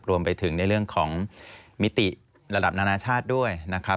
รวมไปถึงในเรื่องของมิติระดับนานาชาติด้วยนะครับ